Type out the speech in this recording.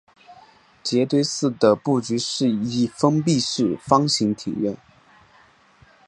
杰堆寺的布局是一封闭式方形庭院。